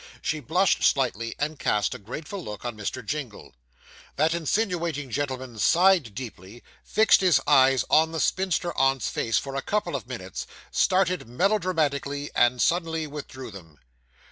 She blushed slightly, and cast a grateful look on Mr. Jingle. That insinuating gentleman sighed deeply, fixed his eyes on the spinster aunt's face for a couple of minutes, started melodramatically, and suddenly withdrew them.